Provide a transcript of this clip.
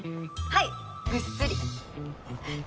はいぐっすりえっ？